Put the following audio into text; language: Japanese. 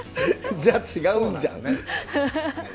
じゃあ、違うんじゃん。